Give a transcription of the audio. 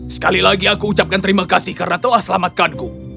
sekali lagi aku ucapkan terima kasih karena telah selamatkanku